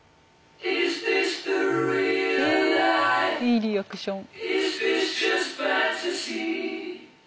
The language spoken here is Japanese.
いいリアクション。